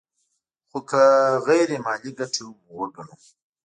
خو که غیر مالي ګټې هم وګڼو